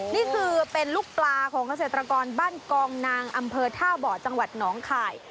นี่คือเป็นลูกปลาของเกษตรกรบ้านกองนางอำเภอท่าบ่อจังหวัดหนองคาย